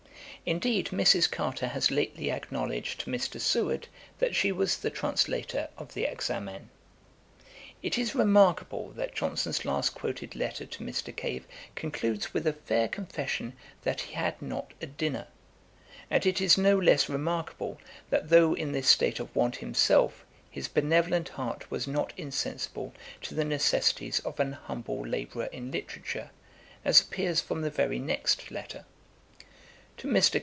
Indeed Mrs. Carter has lately acknowledged to Mr. Seward, that she was the translator of the Examen. It is remarkable, that Johnson's last quoted letter to Mr. Cave concludes with a fair confession that he had not a dinner; and it is no less remarkable, that, though in this state of want himself, his benevolent heart was not insensible to the necessities of an humble labourer in literature, as appears from the very next letter: 'To MR.